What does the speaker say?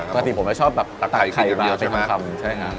ปกติผมก็ชอบตักไข่มาเป็นทั้งคำ